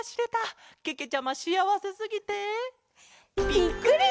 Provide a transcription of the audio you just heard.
ぴっくり！